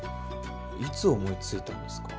いつ思いついたんですか？